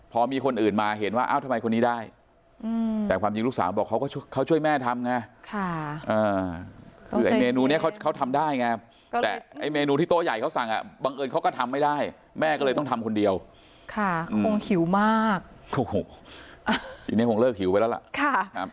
พอมีคนอื่นมาเห็นว่าเอ้าทำไมคนนี้ได้แต่ความจริงลูกสาวบอกเขาก็เขาช่วยแม่ทำไงคือไอ้เมนูนี้เขาทำได้ไงแต่ไอ้เมนูที่โต๊ะใหญ่เขาสั่งอ่ะบังเอิญเขาก็ทำไม่ได้แม่ก็เลยต้องทำคนเดียวค่ะคงหิวมากถูกทีนี้คงเลิกหิวไปแล้วล่ะ